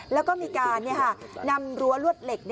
แล้วก็มีการนำรั้วลวดเหล็ก